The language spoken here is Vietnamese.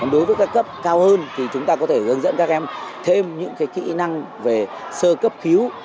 đối với các cấp cao hơn thì chúng ta có thể hướng dẫn các em thêm những kỹ năng về sơ cấp cứu